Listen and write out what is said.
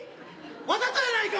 わざとやないか！